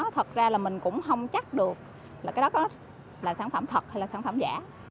thật ra là mình cũng không chắc được là cái đó là sản phẩm thật hay là sản phẩm giả